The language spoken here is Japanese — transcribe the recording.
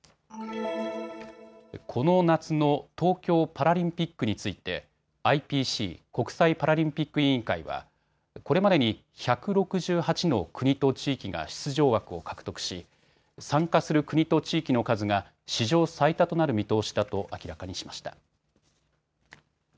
この夏の東京パラリンピックについてＩＰＣ・国際パラリンピック委員会はこれまでに１６８の国と地域が出場枠を獲得し参加する国と地域の数が史上最多となる見通しだと明らかにしました。